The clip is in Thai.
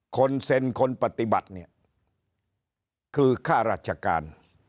คนเซ็นคนปฏิบัติเนี่ยคือค่าราชการ